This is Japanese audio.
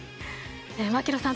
槙野さん